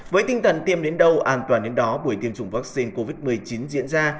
với tinh thần tiêm đến đâu an toàn đến đó buổi tiêm chủng vaccine covid một mươi chín diễn ra